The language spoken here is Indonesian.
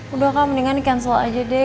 udah kan mendingan di cancel aja deh